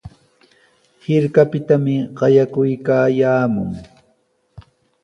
Hirkapitami qayakuykaayaamun.